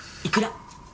いくら！